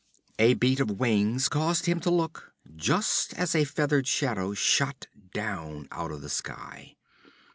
A beat of wings caused him to look, just as a feathered shadow shot down out of the sky.